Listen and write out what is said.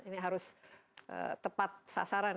ini harus tepat sasaran